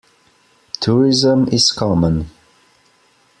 Tourism is common.